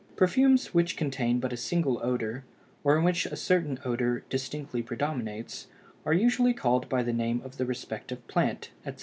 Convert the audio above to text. Perfumes which contain but a single odor or in which a certain odor distinctly predominates are usually called by the name of the respective plant, etc.